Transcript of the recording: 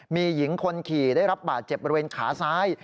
มีหญิงคนขี่ได้รับบาดเจ็บบริเวณขาซ้าย